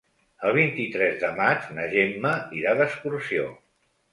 El vint-i-tres de maig na Gemma irà d'excursió.